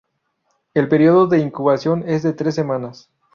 El período de incubación es de tres semanas.